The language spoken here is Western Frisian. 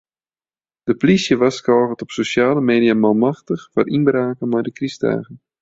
De plysje warskôget op sosjale media manmachtich foar ynbraken mei de krystdagen.